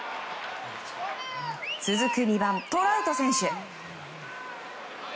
続く２番、トラウト選手。